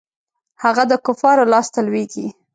هغه د کفارو لاسته لویږي.